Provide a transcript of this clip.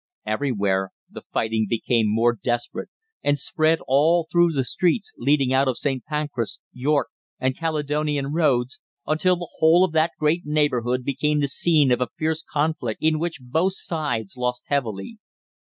Everywhere the fighting became more desperate and spread all through the streets leading out of St. Pancras, York, and Caledonian Roads, until the whole of that great neighbourhood became the scene of a fierce conflict, in which both sides lost heavily.